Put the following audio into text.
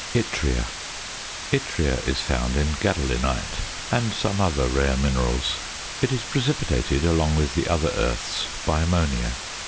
YTTRIA. Yttria is found in gadolinite and some other rare minerals. It is precipitated along with the other earths by ammonia.